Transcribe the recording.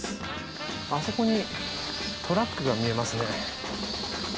あそこにトラックが見えますね。